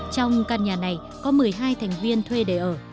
trong căn nhà này có một mươi hai thành viên thuê để ở